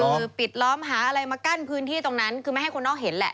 คือปิดล้อมหาอะไรมากั้นพื้นที่ตรงนั้นคือไม่ให้คนนอกเห็นแหละ